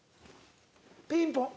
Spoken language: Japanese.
ピンポーン。